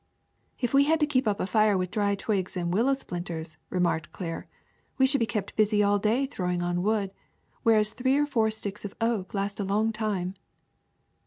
'^ ^^If we had to keep up a fire with dry twigs and willow splinters," remarked Claire, ^^we should be kept busy all day throwing on wood, whereas three or four sticks of oak last a long time."